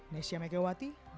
nesya megawati nusantara